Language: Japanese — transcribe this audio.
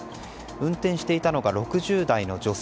運転していたのが６０代の女性。